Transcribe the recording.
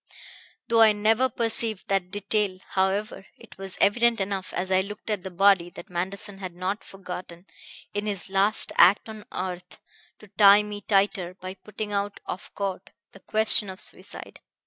"Though I never perceived that detail, however, it was evident enough as I looked at the body that Manderson had not forgotten, in his last act on earth, to tie me tighter by putting out of court the question of suicide.